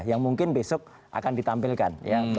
yang mungkin besok akan ditampilkan